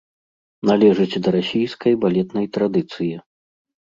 Належыць да расійскай балетнай традыцыі.